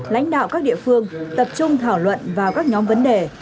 lãnh đạo các địa phương tập trung thảo luận vào các nhóm vấn đề